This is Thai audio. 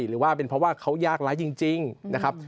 หรือว่าเป็นเพราะว่าเขายากร้ายจริงนะครับ